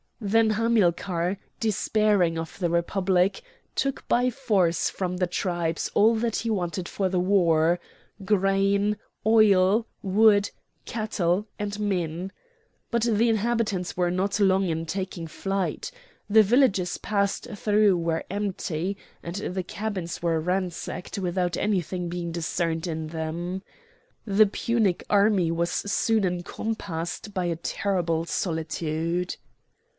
Then Hamilcar, despairing of the Republic, took by force from the tribes all that he wanted for the war—grain, oil, wood, cattle, and men. But the inhabitants were not long in taking flight. The villages passed through were empty, and the cabins were ransacked without anything being discerned in them. The Punic army was soon encompassed by a terrible solitude.